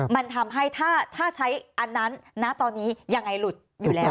มันทำให้ถ้าใช้อันนั้นณตอนนี้ยังไงหลุดอยู่แล้ว